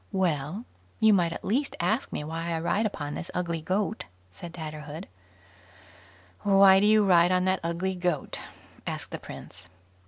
"Well, you might at least ask me why I ride upon this ugly goat", said Tatterhood. "Why do you ride on that ugly goat?" asked the prince.